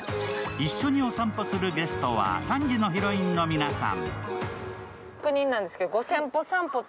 一緒にお散歩するゲストは３時のヒロインの皆さん。